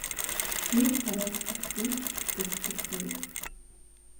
Нүүр царай харц нь ч өөрчлөгдсөнгүй.